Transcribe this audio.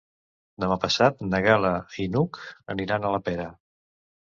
Demà passat na Gal·la i n'Hug aniran a la Pera.